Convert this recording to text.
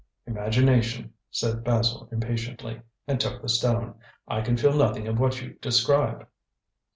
"Imagination," said Basil impatiently, and took the stone. "I can feel nothing of what you describe."